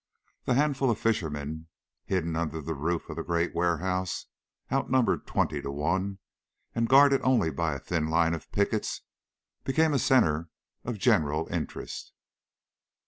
The handful of fishermen, hidden under the roof of the great warehouse, outnumbered twenty to one, and guarded only by a thin line of pickets, became a centre of general interest.